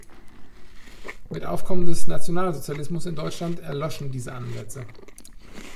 Mit Aufkommen des Nationalsozialismus in Deutschland erloschen diese Ansätze.